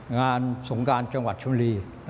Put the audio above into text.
งานสงการจังหวัดชุรี